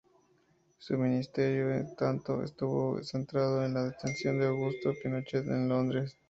Su ministerio, en tanto, estuvo centrado en la detención de Augusto Pinochet en Londres.